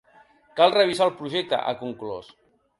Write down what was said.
Cal revisar el projecte, ha conclòs.